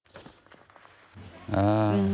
ค่ะรุง